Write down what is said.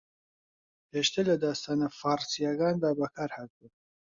پێشتر لە داستانە فارسییەکاندا بەکارھاتوە